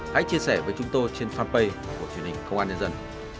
hãy chia sẻ với chúng tôi trên fanpage của truyền hình công an nhân dân